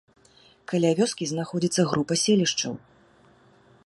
Каля вёскі знаходзіцца группа селішчаў.